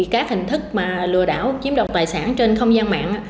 các hình thức lừa đảo chiếm đoạt tài sản trên không gian mạng